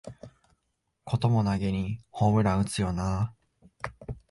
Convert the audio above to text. こともなげにホームラン打つよなあ